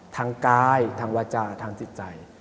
ทางกายทางวาจาทางจิตใจ